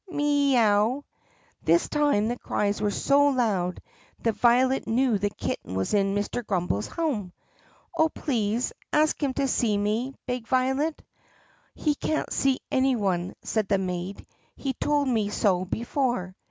MEE OW!" This time the cries were so loud that Violet knew the kitten was in Mr. Grummbel's home. "Oh, please, ask him to see me!" begged Violet. "He can't see any one," said the maid. "He told me so be fore."